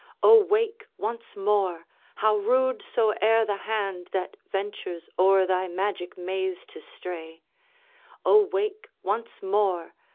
O, wake once more! how rude soe'er the hand That ventures o'er thy magic maze to stray; O, wake once more!